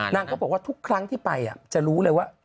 นางก็บอกว่าทุกครั้งที่ไปจะรู้เลยว่า